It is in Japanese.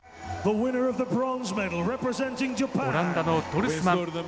オランダのドルスマン。